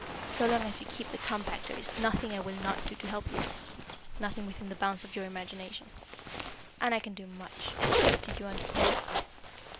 So long as you keep the compact there is nothing I will not do to help you nothing within the bounds of your imagination. And I can do much. Do you understand?"